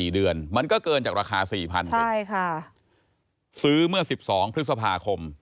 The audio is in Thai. ๔เดือนมันก็เกินจากราคา๔๐๐๐ซื้อเมื่อ๑๒พฤษภาคม